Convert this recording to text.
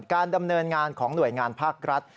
การดำเนินงานของหน่วยงานภาครัฐ